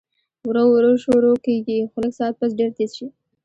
ورو ورو شورو کيږي خو لږ ساعت پس ډېر تېز شي